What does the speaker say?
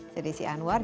saya desi anwar